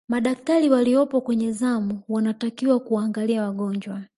madakitari waliyopo kwenye zamu wanatakiwa kuwaangalia wagonjwa